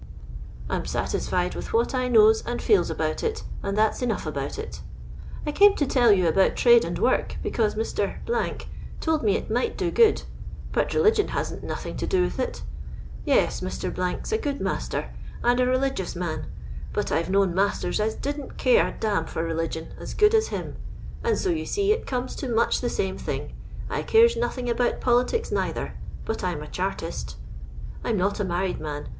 I'm satisfied with what I knows and feels about it, and that'f enough about it I came to tell you about trade and work, because Mr. told me it might do good; but religion hasn't nothing to do with it Yes, Mr. s a good master, and a religious man; but I've known masters as didn't care a d — n for religion, as good as him ; and so you see it comes to much the same thing. I cares nothing about politics neither ; but I 'm a chartist. " I 'ni not a married man.